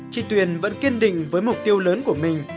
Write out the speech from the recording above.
chị tuyền vẫn kiên định với mục tiêu lớn của mình